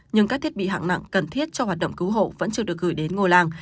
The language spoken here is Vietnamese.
nhưng các thiết bị hạng nặng cần thiết cho hoạt động cứu hộ vẫn chưa được gửi đến ngôi làng